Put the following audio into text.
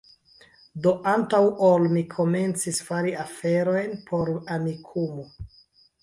Do, antaŭ ol mi komencis fari aferojn por Amikumu